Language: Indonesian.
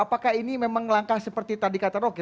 apakah ini memang langkah seperti tadi kata rocky